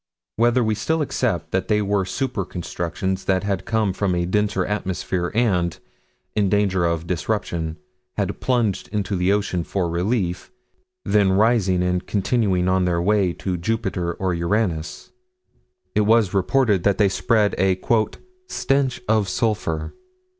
Whether we still accept that they were super constructions that had come from a denser atmosphere and, in danger of disruption, had plunged into the ocean for relief, then rising and continuing on their way to Jupiter or Uranus it was reported that they spread a "stench of sulphur."